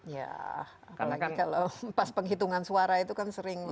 ya apalagi kalau pas penghitungan suara itu kan sering